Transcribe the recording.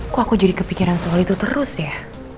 kagak jadi kepikiran soal itu terus ya